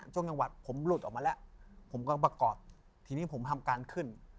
จนก็เชอบไทยแล้วก็หน้าแม่กับหน้าป๊ารอยมาเลย